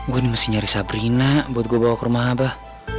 gue mesti nyari sabrina buat gue bawa ke rumah abah